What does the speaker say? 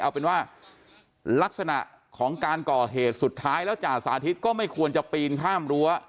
เอาเป็นว่าลักษณะของการก่อเหตุสุดท้ายแล้วจ่าสาธิตก็ไม่ควรจะปีนข้ามรั้ว